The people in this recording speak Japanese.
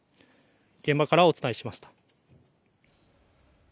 現場からお伝えしました。